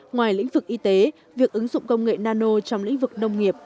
ngoài lĩnh vực y tế việc ứng dụng công nghệ nano trong lĩnh vực nông nghiệp